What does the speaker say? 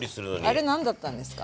あれ何だったんですか？